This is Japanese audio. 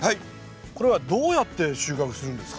これはどうやって収穫するんですか？